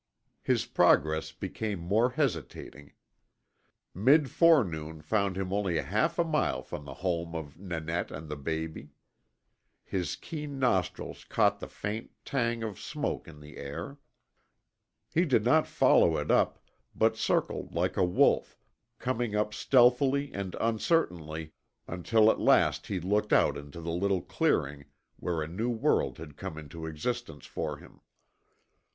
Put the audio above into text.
His progress became more hesitating. Mid forenoon found him only half a mile from the home of Nanette and the baby. His keen nostrils caught the faint tang of smoke in the air. He did not follow it up, but circled like a wolf, coming up stealthily and uncertainly until at last he looked out into the little clearing where a new world had come into existence for him.